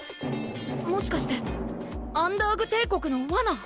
もしかしてアンダーグ帝国のわな